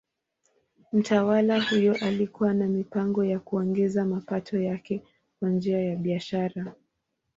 Mtawala huyo alikuwa na mipango ya kuongeza mapato yake kwa njia ya biashara.